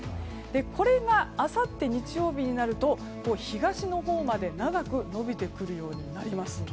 これがあさって日曜日になると東のほうまで長く延びてくるようになります。